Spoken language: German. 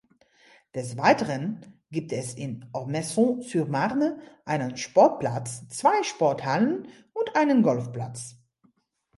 Des Weiteren gibt es in Ormesson-sur-Marne einen Sportplatz, zwei Sporthallen und einen Golfplatz.